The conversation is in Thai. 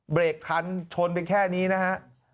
เบรกทันชนไปแค่นี้นะฮะ